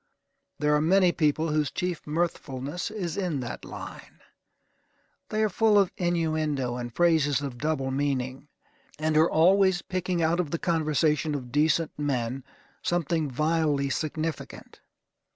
There are many people whose chief mirthfulness is in that line. They are full of innuendo, and phrases of double meaning, and are always picking out of the conversation of decent men something vilely significant.